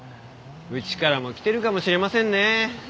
うちからも来てるかもしれませんね。